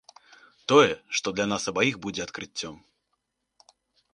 Тое, што для нас абаіх будзе адкрыццём.